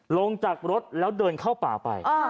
ลงจากรถแล้วเดินเข้าป่าไป